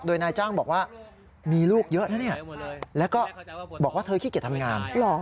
โดยนายจ้างบอกว่ามีลูกเยอะนะเนี่ยแล้วก็บอกว่าเธอขี้เกียจทำงาน